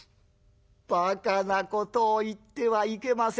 ばかなことを言ってはいけません。